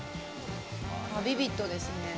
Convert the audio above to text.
ビビッドですね。